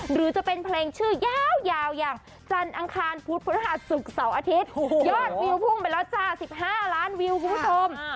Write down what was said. หรือจะเป็นเพลงชื่อยาวอย่างจันทร์อังคารพุธพฤหัสศุกร์เสาร์อาทิตย์ยอดวิวพุ่งไปแล้วจ้า๑๕ล้านวิวคุณผู้ชม